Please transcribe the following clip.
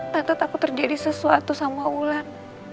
tante takut terjadi sesuatu sama wulan